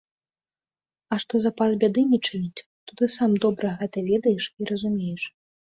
А што запас бяды не чыніць, то ты сам добра гэта ведаеш і разумееш.